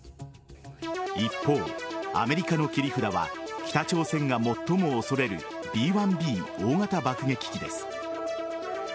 一方、アメリカの切り札は北朝鮮が最も恐れるＢ‐１Ｂ大型爆撃機です。